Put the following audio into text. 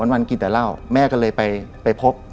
วันกินแต่เหล้าแม่ก็เลยไปพบ